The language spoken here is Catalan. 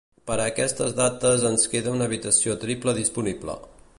Per a aquestes dates ens queda una habitació triple disponible.